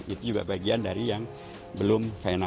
itu juga bagian dari yang belum final